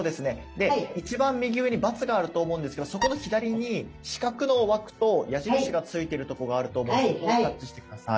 で一番右上に×があると思うんですけどそこの左に四角の枠と矢印がついているとこがあると思うんでそこをタッチして下さい。